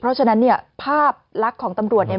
เพราะฉะนั้นเนี่ยภาพลักษณ์ของตำรวจเนี่ย